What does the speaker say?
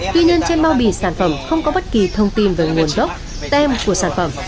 tuy nhiên trên bao bì sản phẩm không có bất kỳ thông tin về nguồn gốc tem của sản phẩm